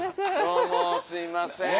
どうもすいません。